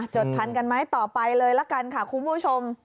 ดพันกันไหมต่อไปเลยละกันค่ะคุณผู้ชม